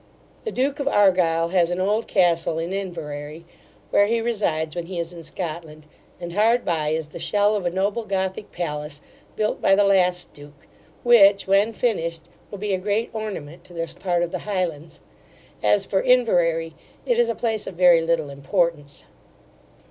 The Duke of Argyle has an old castle in Inverary, where he resides when he is in Scotland; and hard by is the shell of a noble Gothic palace, built by the last duke, which, when finished, will be a great ornament to this part of the Highlands. As for Inverary, it is a place of very little importance.